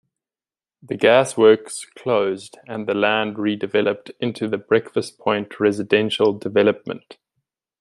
The gas works closed and the land redeveloped into the Breakfast Point residential development.